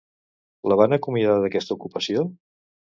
La van acomiadar d'aquesta ocupació?